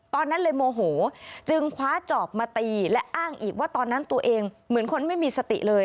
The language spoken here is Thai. ตอนนั้นเลยโมโหจึงคว้าจอบมาตีและอ้างอีกว่าตอนนั้นตัวเองเหมือนคนไม่มีสติเลย